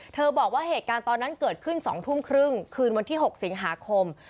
บอกว่าเหตุการณ์ตอนนั้นเกิดขึ้น๒ทุ่มครึ่งคืนวันที่๖สิงหาคม